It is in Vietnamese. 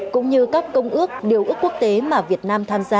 cũng như các công ước điều ước quốc tế mà việt nam tham gia